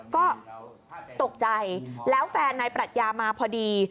ก็ตกใจแล้วแฟนนายปรัชญามาพอดี